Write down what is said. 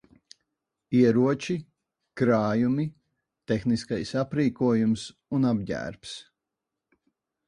Ieroči, krājumi, tehniskais aprīkojums un apģērbs.